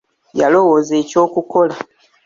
Yalowooza eky'okukola.